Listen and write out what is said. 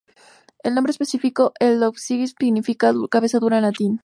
El nombre específico "E. longiceps" significa "cabeza dura" en latín.